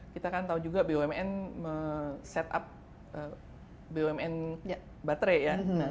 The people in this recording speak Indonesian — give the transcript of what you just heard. kita kan tahu juga bumn set up bumn baterai ya